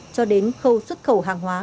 cho đến khâu xuất khẩu hàng hóa